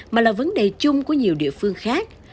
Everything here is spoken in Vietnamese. mà là vấn đề chung của nhiều địa phương khác